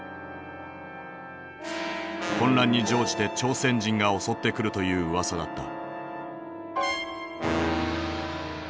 「混乱に乗じて朝鮮人が襲ってくる」といううわさだった。